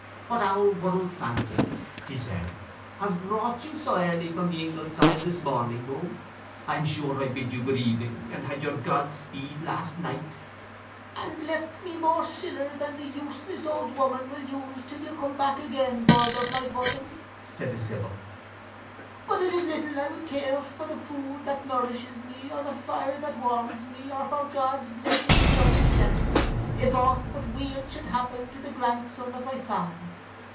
"What auld world fancy," he said "has brought you so early from the ingle side this morning, muhme? I am sure I bid you good even, and had your God speed, last night." "And left me more siller than the useless old woman will use till you come back again, bird of my bosom," said the sibyl. "But it is little I would care for the food that nourishes me, or the fire that warms me, or for God's blessed sun itself, if aught but weal should happen to the grandson of my father.